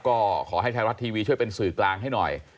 ก็ขอให้ไทยรัฐทีวีช่วยเป็นสื่อกลางให้หน่อย